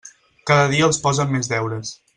Cada dia els posen més deures.